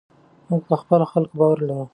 موږ په خپلو خلکو باور لرو.